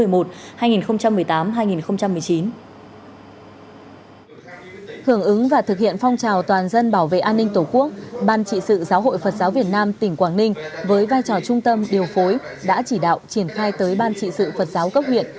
hưởng ứng và thực hiện phong trào toàn dân bảo vệ an ninh tổ quốc ban trị sự giáo hội phật giáo việt nam tỉnh quảng ninh với vai trò trung tâm điều phối đã chỉ đạo triển khai tới ban trị sự phật giáo cấp huyện